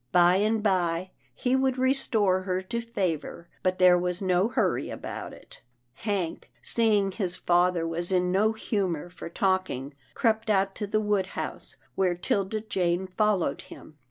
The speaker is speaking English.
By and by, he would restore her to favour, but there was no hurry about it. Hank, seeing his father was in no humour for talking, crept out to the wood house, where 'Tilda Jane followed him.